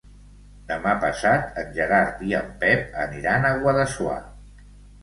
Demà passat en Gerard i en Pep aniran a Guadassuar.